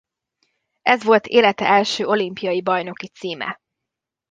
Ez volt élete első olimpiai bajnoki címe.